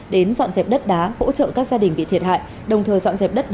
đến dọn dẹp đất đá hỗ trợ các gia đình bị thiệt hại đồng thời dọn dẹp đất đá đảm bảo lưu thông